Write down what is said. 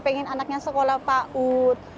saya ingin anaknya sekolah paut